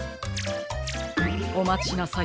おまちなさい。